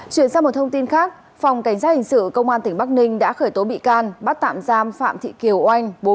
chuyển sang một thông tin khác phòng cảnh sát hình sự công an tỉnh bắc ninh đã khởi tố bị can bắt tạm giam phạm thị kiều oanh